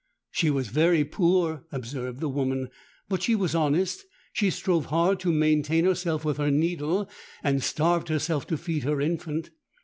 'She was very poor,' observed the woman; 'but she was honest. She strove hard to maintain herself with her needle, and starved herself to feed her infant.